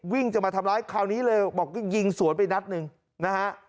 จะมาทำร้ายคราวนี้เลยบอกยิงสวนไปนัดหนึ่งนะฮะ